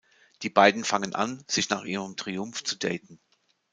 Die beiden fangen an, sich nach ihrem Triumph zu daten.